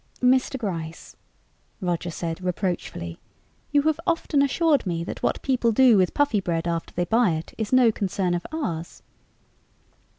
"Mr. Gryce," Roger said reproachfully, "you have often assured me that what people do with Puffybread after they buy it is no concern of ours."